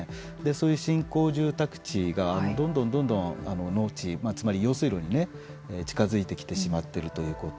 そういう新興住宅地がどんどんどんどん農地、つまり用水路に近づいてきてしまっているということ。